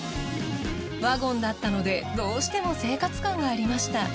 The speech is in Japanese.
ワゴンだったのでどうしても生活感がありました。